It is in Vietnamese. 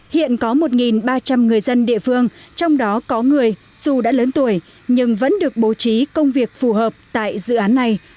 hiện có một ba trăm linh người dân địa phương trong đó có người dù đã lớn tuổi nhưng vẫn được bố trí công việc phù hợp tại dự án này